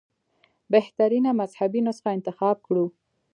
بهترینه مذهبي نسخه انتخاب کړو.